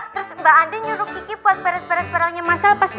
terus mbak andien nyuruh kiki buat beres beres barangnya mas al pas mas al datang